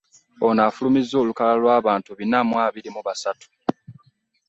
Ono afulumizza olukalala lw'abantu Bina mu abiri mu basatu